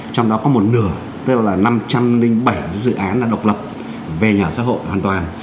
trong đó có một nửa tức là năm trăm linh bảy dự án là độc lập về nhà ở xã hội hoàn toàn